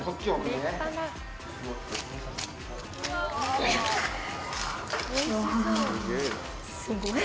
えすごい。